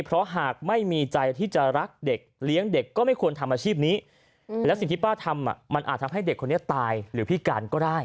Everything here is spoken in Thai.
เพราะหากไม่มีใจที่จะรักเด็กเลี้ยงเด็กก็ไม่ควรทำอาชีพนี้และสิ่งที่ป้าทำมันอาจทำให้เด็กคนนี้ตายหรือพิการก็ได้